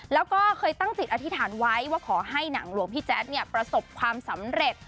แล้วก็เคยตั้งจิตอธิษฐานไว้ว่าขอให้หนังหลวงพี่แจ๊ดเนี่ยประสบความสำเร็จ